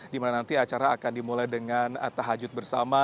dimana nanti acara akan dimulai dengan tahajud bersama